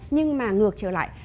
nhưng mà ngược trở lại